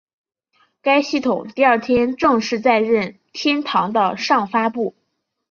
该系统第二天正式在任天堂的上发布。